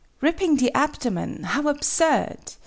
"Ripping the abdomen? How absurd!"